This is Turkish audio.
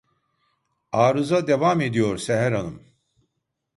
Arıza devam ediyor Seher Hanım